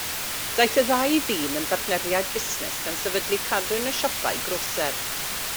Daeth y ddau ddyn yn bartneriaid busnes gan sefydlu cadwyn o siopau groser.